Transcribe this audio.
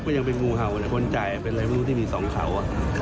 คนรับก็ยังเป็นมูหาวคนจ่ายเป็นรายละครุ่มที่มี๒เขา